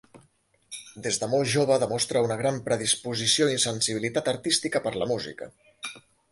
Des de molt jove demostra una gran predisposició i sensibilitat artística per la música.